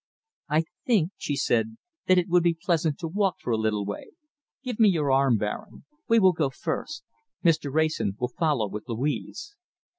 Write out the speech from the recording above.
"I think," she said, "that it would be pleasant to walk for a little way. Give me your arm, Baron. We will go first. Mr. Wrayson will follow with Louise."